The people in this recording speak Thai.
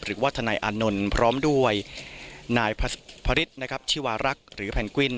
หรือว่าทนายอานนท์พร้อมด้วยนายพระฤทธิ์นะครับชีวารักษ์หรือแพนกวิน